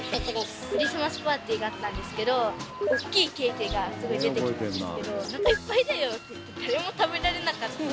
クリスマスパーティーがあったんですけどおっきいケーキがすごい出てきたんですけどおなかいっぱいだよって言って誰も食べられなかった。